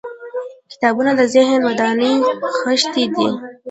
• کتابونه د ذهن د ودانۍ خښتې دي.